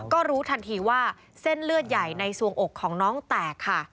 ก็รู้ทันทีว่าเส้นเลือดใหญ่ในสวงอกของน้องแตกค่ะ